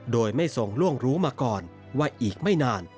โดยไม่ทรงล่วงรู้มาก่อนว่าอีกไม่นาน